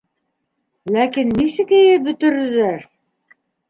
Ләкин нисек йыйып бөтөрөрҙәр...